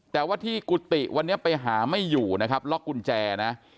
แต่ว่าที่กุฏิวันนี้ไปหาไม่อยู่นะครับล็อกกุญแจนะ